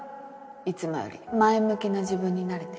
いつもより前向きな自分になれてるから